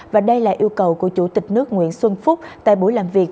và đây là yêu cầu của chủ tịch nước nguyễn xuân phúc tại buổi làm việc